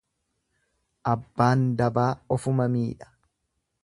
Abbaan dabaa ofuma miidha.